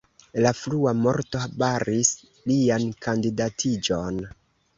La frua morto baris lian kandidatiĝon.